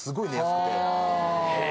・へえ！